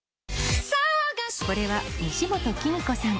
これは西本喜美子さん